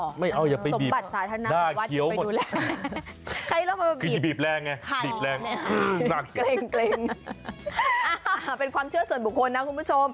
สมบัติสาธารณาหรือว่าที่ไปดูแลใครลองมาบีบใครหน้าเคี้ยวเป็นความเชื่อส่วนบุคคลนะคุณผู้ชม